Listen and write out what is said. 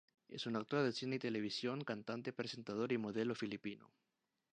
Es un actor de cine y televisión, cantante, presentador y modelo filipino.